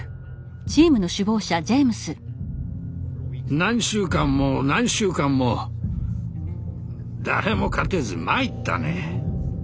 何週間も何週間も誰も勝てず参ったね。